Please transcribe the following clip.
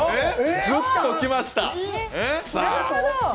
ぐっときました。